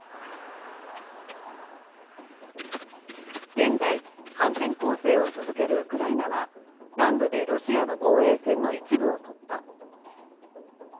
現在、反転攻勢を続けるウクライナは南部でロシアの防衛線の一部を突破。